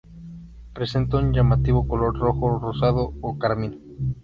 Presenta un llamativo color rojo rosado o carmín.